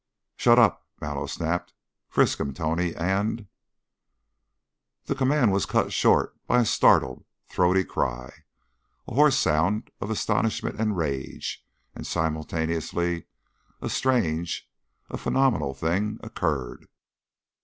"Shut up!" Mallow snapped. "Frisk him, Tony, and " The command was cut short by a startled, throaty cry a hoarse sound of astonishment and rage and simultaneously a strange, a phenomenal thing occurred.